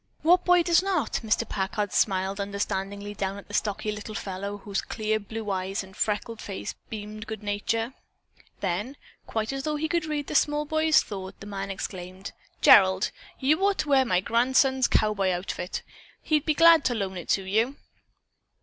"What boy does not?" Mr. Packard smiled understandingly down at the stocky little fellow whose clear blue eyes and freckled face beamed good nature. Then, quite as though he could read the small boy's thought, the man exclaimed: "Gerald, you ought to wear my grandson's cowboy outfit. He'd be glad to loan it to you."